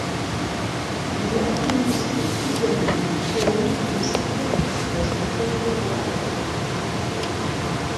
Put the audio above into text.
Il a illustré plusieurs livres et a eu une certaine réputation comme décorateur.